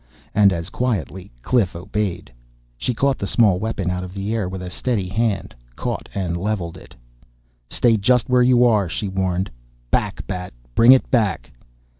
And as quietly Cliff obeyed. She caught the small weapon out of the air with a steady hand caught and leveled it. "Stay just where you are!" she warned. "Back, Bat, bring it back!"